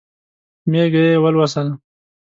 مېږه یې ولوسله.